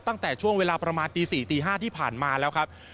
ตั้งแต่ช่วงเวลาประมาณตี๔ตี๕ที่ผ่านมาแล้วครับ